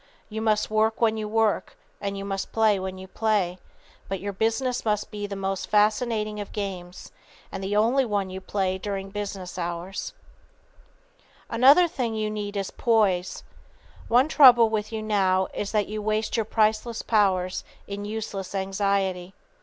You must work when you work, and you may play when you play, but your business must be the most fascinating of games and the only one you play during business hours. [Sidenote: How Your Mental Capital is Dissipated] Another thing you need is poise. One trouble with you now is that you waste your priceless powers in useless anxiety.